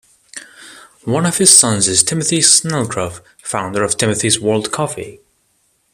One of his sons is Timothy Snelgrove, founder of Timothy's World Coffee.